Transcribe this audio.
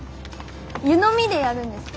湯飲みでやるんですか？